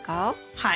はい。